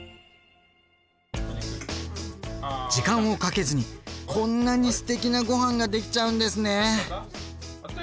時間をかけずにこんなにすてきなごはんができちゃうんですね！